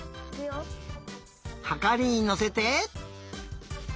はかりにのせて。